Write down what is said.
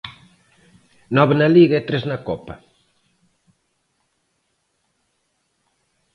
Nove na Liga e tres na Copa.